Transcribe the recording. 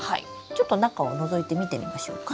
ちょっと中をのぞいて見てみましょうか。